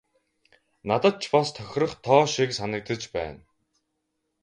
Надад ч бас тохирох тоо шиг санагдаж байна.